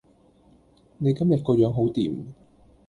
你今日個樣好掂